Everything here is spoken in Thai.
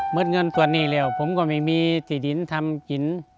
เงินส่วนนี้แล้วผมก็ไม่มีที่ดินทำกิน